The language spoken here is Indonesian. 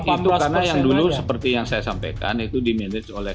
itu karena yang dulu seperti yang saya sampaikan itu di manage oleh